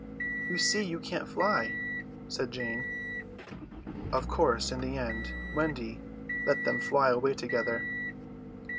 "You see you can't fly," said Jane. Of course in the end Wendy let them fly away together.